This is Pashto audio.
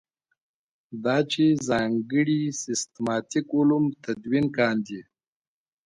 دا چې ځانګړي سیسټماټیک علوم تدوین کاندي.